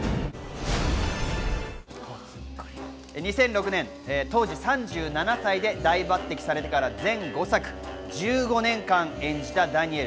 ２００６年当時３７歳で大抜擢されてから全５作１５年間演じたダニエル。